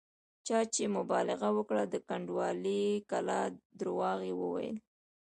چا چې مبالغه وکړه د کنډوالې کلا درواغ یې وویل.